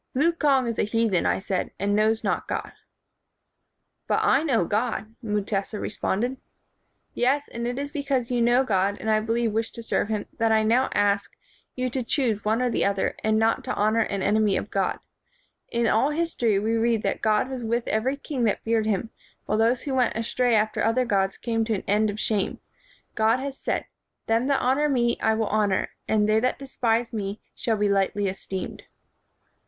" 'Lukonge is a heathen,' I said, 'and knows not God.' " 'But I know God,' Mutesa responded. "Yes, it is because you know God, and I believe wish to serve him, that I now ask 121 WHITE MAN OF WORK you to choose one or the other, and not to honor an enemy of God. In all history we read that God was with every king that feared him, while those who went astray after other gods came to an end of shame. God has said, 'Them that honor me I will honor; and they that despise me shall be lightly esteemed.'